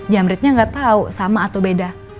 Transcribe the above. jamretnya gak tau sama atau beda